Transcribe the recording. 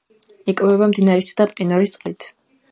იკვებება მდინარისა და მყინვარის წყლით.